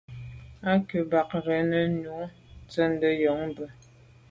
Á cúp mbɑ̄ rə̌ nə̀ rə̀ nǔ nə̄ tsə́’də́ nyɔ̌ŋ bú.